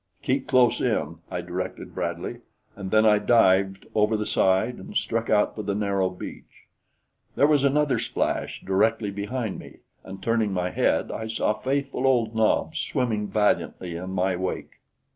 "Keep close in," I directed Bradley, and then I dived over the side and struck out for the narrow beach. There was another splash directly behind me, and turning my head, I saw faithful old Nobs swimming valiantly in my wake.